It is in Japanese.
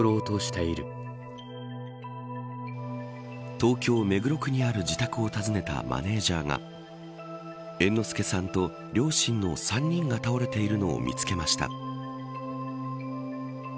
東京、目黒区にある自宅を訪ねたマネージャーが猿之助さんと両親の３人が倒れているのを見つけました。